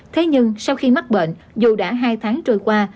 thế nhưng sau khi mắc bệnh dù đã hai tháng trôi qua